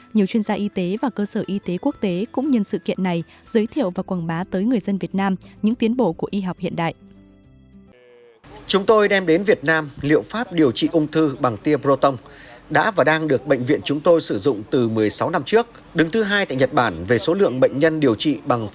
nhiều chuyên gia y tế và cơ sở y tế quốc tế cũng nhân sự kiện này giới thiệu và quảng bá tới người dân việt nam những tiến bộ của y học hiện đại